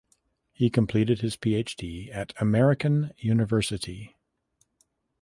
He completed his PhD at American University.